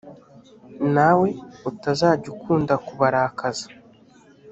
nawe utazajya ukunda kubarakaza